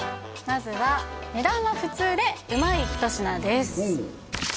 まずは値段は普通でうまい一品です